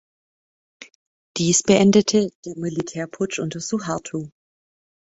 Dies beendete der Militärputsch unter Suharto.